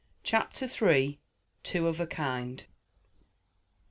CHAPTER III. TWO OF A KIND.